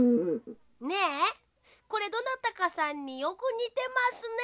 ねえこれどなたかさんによくにてますね。